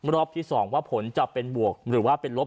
รอบที่๒ว่าผลจะเป็นบวกหรือว่าเป็นลบ